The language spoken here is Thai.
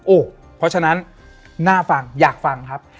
เพราะฉะนั้นน่าฟังอยากฟังครับ